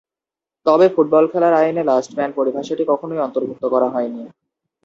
তবে ফুটবল খেলার আইনে "লাস্ট ম্যান" পরিভাষাটি কখনোই অন্তর্ভুক্ত করা হয়নি।